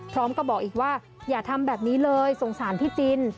พร้อมกับบอกอีกว่าอย่าทำแบบนี้เลยสงสารพี่จิน